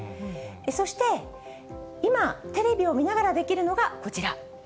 そして今、テレビを見ながらできるのがこちら。